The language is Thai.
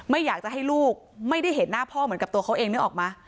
ไม่อยากจะให้ลูกไม่ได้เห็นหน้าพ่อเหมือนกับตัวเขาเองนึกออกมา